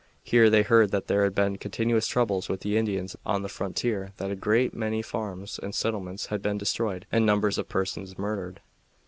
Here they heard that there had been continuous troubles with the Indians on the frontier; that a great many farms and settlements had been destroyed, and numbers of persons murdered.